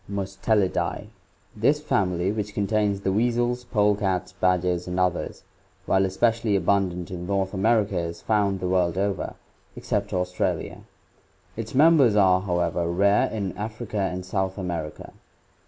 Mustellidae. — This family, which contains the weasels, polecats, badgers, and others, while especially abundant in North America is found the world over, except Australia. Its members are, however, rare in Africa and South America.